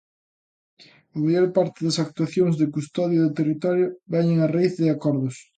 A maior parte das actuacións de custodia do territorio veñen a raíz de acordos.